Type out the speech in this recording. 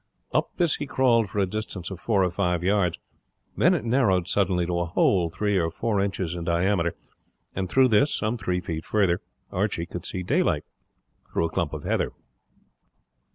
Up this he crawled for a distance of four or five yards, then it narrowed suddenly to a hole three or four inches in diameter, and through this, some three feet farther, Archie could see the daylight through a clump of heather.